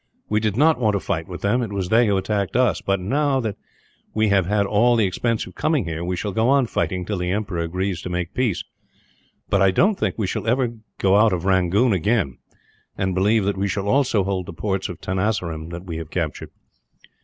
We did not want to fight with them it was they who attacked us but, now that we have had all the expense of coming here, we shall go on fighting till the emperor agrees to make peace; but I don't think that we shall ever go out of Rangoon, again, and believe that we shall also hold the ports in Tenasserim that we have captured."